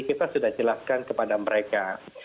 kita sudah jelaskan kepada mereka